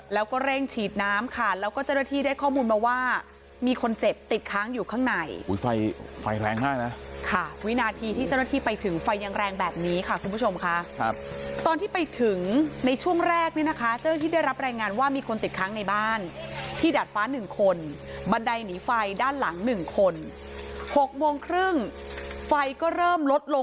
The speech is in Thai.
แล้วก็เร่งฉีดน้ำค่ะแล้วก็เจ้าหน้าที่ได้ข้อมูลมาว่ามีคนเจ็บติดค้างอยู่ข้างในอุ้ยไฟไฟแรงมากนะค่ะวินาทีที่เจ้าหน้าที่ไปถึงไฟยังแรงแบบนี้ค่ะคุณผู้ชมค่ะครับตอนที่ไปถึงในช่วงแรกเนี่ยนะคะเจ้าหน้าที่ได้รับรายงานว่ามีคนติดค้างในบ้านที่ดัดฟ้าหนึ่งคนบันไดหนีไฟด้านหลังหนึ่งคนหกโมงครึ่งไฟก็เริ่มลดลง